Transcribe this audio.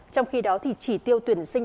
trong khi đó thì chỉ tiêu tuyển sinh